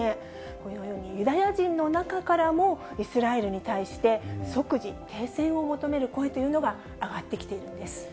このようにユダヤ人の中からも、イスラエルに対して即時停戦を求める声というのが上がってきているんです。